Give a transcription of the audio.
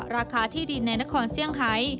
ราคาที่ดินในนครเซี่ยงไฮ